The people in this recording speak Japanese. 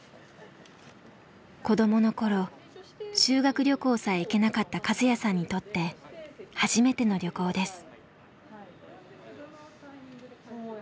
子どもの頃修学旅行さえ行けなかったカズヤさんにとって初めての旅行です。